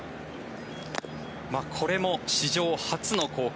これも史上初の光景。